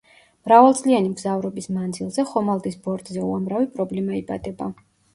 მრავალწლიანი მგზავრობის მანძილზე ხომალდის ბორტზე უამრავი პრობლემა იბადება.